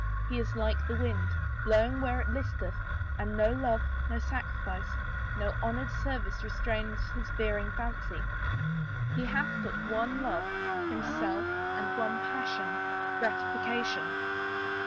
He is like the wind, blowing where it listeth, and no love, no sacrifice, no honored service restrains his veering fancy. He hath but one love — himself, and one passion — gratification."